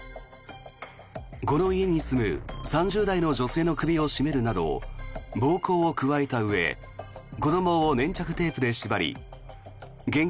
この家に住む３０代の女性の首を絞めるなど暴行を加えたうえ子どもを粘着テープで縛り現金